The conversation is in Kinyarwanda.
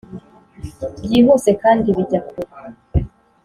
byihuse kandi bijya kure